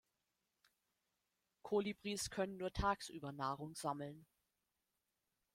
Kolibris können nur tagsüber Nahrung sammeln.